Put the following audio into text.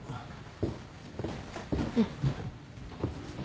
うん。